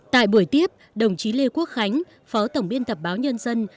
tại buổi tiếp đồng chí lê quốc khánh phó tổng biên tập báo nhân dân